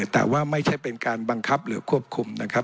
แต่ว่าไม่ใช่เป็นการบังคับหรือควบคุมนะครับ